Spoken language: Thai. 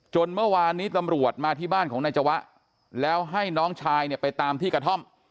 เมื่อวานนี้ตำรวจมาที่บ้านของนายจวะแล้วให้น้องชายเนี่ยไปตามที่กระท่อม